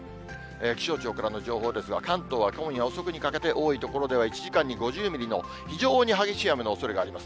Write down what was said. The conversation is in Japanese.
気象庁からの情報ですが、関東は今夜遅くにかけて、多い所では１時間に５０ミリの非常に激しい雨のおそれがあります。